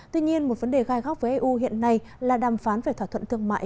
tuy nhiên một vấn đề gai góc với eu hiện nay là đàm phán về thỏa thuận thương mại